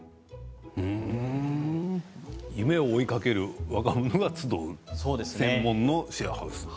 夢を追いかける若者が集う専門のシェアハウス。